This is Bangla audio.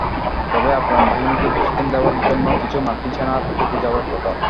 তবে আফগান বাহিনীকে প্রশিক্ষণ দেওয়ার জন্য কিছু মার্কিন সেনা থেকে যাওয়ার কথা।